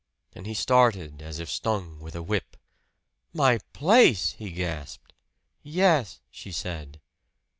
And he started as if stung with a whip. "My place!" he gasped. "Yes," she said.